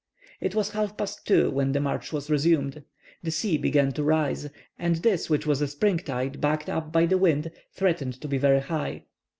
It was half past 2 when the march was resumed. The sea began to rise, and this, which was a spring tide backed up by the wind, threatened to be very high.